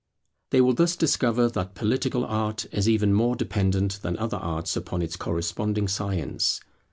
They will thus discover that Political Art is even more dependent than other arts, upon its corresponding Science.